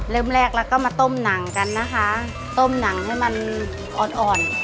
เริ่มแรกแล้วก็มาต้มหนังกันนะคะต้มหนังให้มันอ่อนอ่อน